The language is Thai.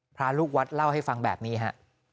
พระลูกวัดเล่าให้ฟังแบบนี้ฮะ